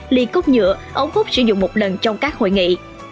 ly cốc nhựa ống hút sử dụng một lần trong các hội nghị